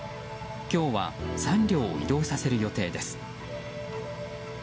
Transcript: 今日は３両を移動させる予定です。